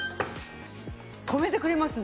止めてくれますね。